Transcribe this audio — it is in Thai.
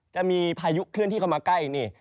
จะมีพายุเคลื่อนที่เข้ามาใกล้นี่